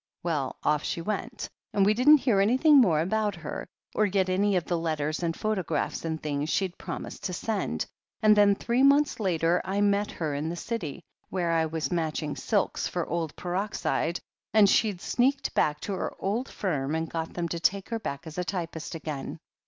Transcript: Well, off she went — and we didn't hear anything more about her, or get any of the letters and photographs and things she'd promised to send. And then three months later, I met her in the City, where I was matching silks for old Peroxide, and she'd sneaked back to her old firm and got them to take her back as typist again."